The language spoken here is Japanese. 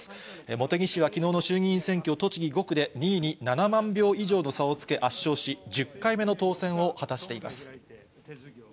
茂木氏はきのうの衆議院選挙栃木５区で、２位に７万票以上の差をつけ、圧勝し、１０回目の当選を果たしています。